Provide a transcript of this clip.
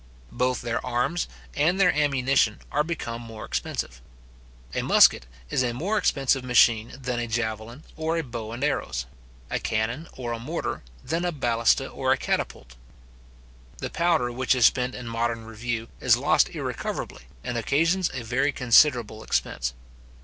Both their arms and their ammunition are become more expensive. A musket is a more expensive machine than a javelin or a bow and arrows; a cannon or a mortar, than a balista or a catapulta. The powder which is spent in a modern review is lost irrecoverably, and occasions a very considerable expense.